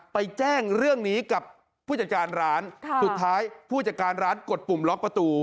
แจ้งเรื่องนี้กับผู้จัดการร้านสุดท้ายผู้จัดการร้านกดปุ่มล็อกประตู